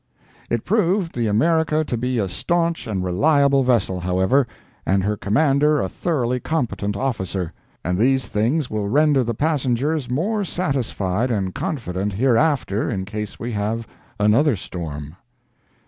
] It proved the America to be a staunch and reliable vessel, however, and her commander a thoroughly competent officer, and these things will render the passengers more satisfied and confident hereafter in case we have another storm.